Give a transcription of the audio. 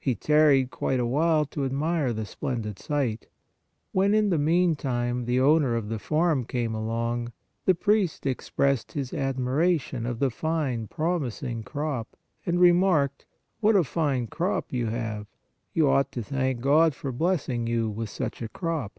He tarried quite a while to admire the splendid sight. When in the meantime the owner of the farm came along, the priest expressed his admiration of the fine promising crop and re marked :" What a fine crop you have ! You ought to thank God for blessing you with such a crop."